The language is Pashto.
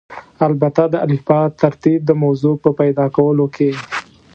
البته د الفبا ترتیب د موضوع په پیدا کولو کې.